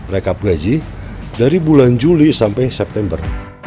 rekap gaji dari bulan juli sampai september